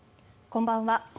こんばんは。